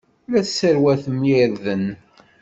La tesserwatem irden.